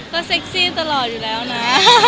ก็เซ็กซี่ตลอดอยู่แล้วนะ